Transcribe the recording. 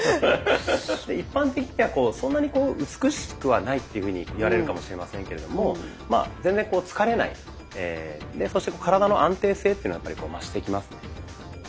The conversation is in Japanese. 一般的にはそんなに美しくはないっていうふうに言われるかもしれませんけれどもまあ全然疲れないそして体の安定性っていうのがやっぱり増してきますので。